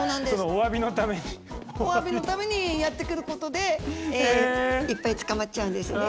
お詫びのためにやって来ることでいっぱい捕まっちゃうんですね。